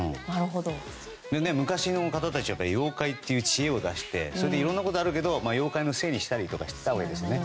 昔の方たちは妖怪という知恵を出していろんなことがあるけど妖怪のせいにしたりとかしてたわけですね。